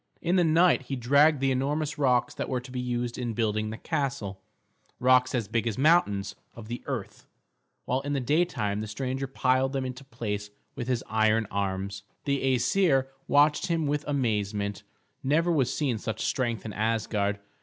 In the night he dragged the enormous rocks that were to be used in building the castle, rocks as big as mountains of the earth; while in the daytime the stranger piled them into place with his iron arms. The Æsir watched him with amazement; never was seen such strength in Asgard.